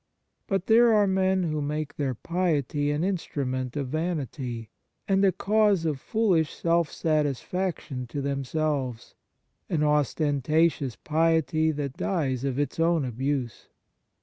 But there are men who make their piety an instrument of vanity and a cause of foolish self satisfaction to them selves — an ostentatious piety, that dies of its own abuse.